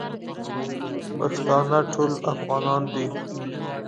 پښتانه ټول افغانان دي